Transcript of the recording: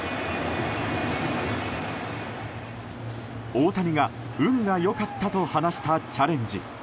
大谷が、運が良かったと話したチャレンジ。